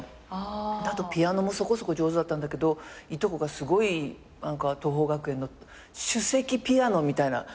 あとピアノもそこそこ上手だったんだけどいとこがすごい桐朋学園の首席ピアノみたいな。